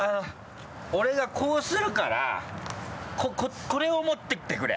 俺がこうするからこれを持ってってくれ。